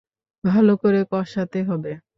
ভালো করে কষাতে হবে।